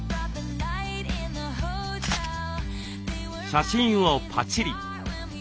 写真をパチリ。